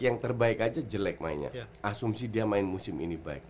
yang terbaik aja jelek mainnya asumsi dia main musim ini baik